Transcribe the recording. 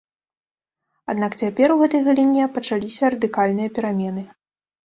Аднак цяпер у гэтай галіне пачаліся радыкальныя перамены.